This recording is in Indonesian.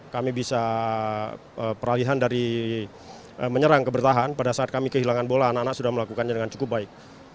kami bisa peralihan dari menyerang ke bertahan pada saat kami kehilangan bola anak anak sudah melakukannya dengan cukup baik